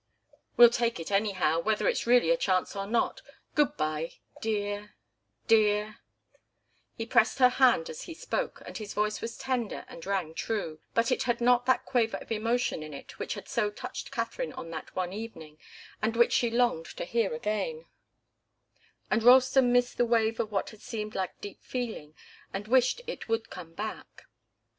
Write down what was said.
"We'll take it anyhow, whether it's really a chance or not. Good bye dear dear " He pressed her hand as he spoke, and his voice was tender and rang true, but it had not that quaver of emotion in it which had so touched Katharine on that one evening, and which she longed to hear again; and Ralston missed the wave of what had seemed like deep feeling, and wished it would come back.